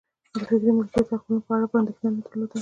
د فکري مالکیت حقونو په اړه یې اندېښنه نه درلوده.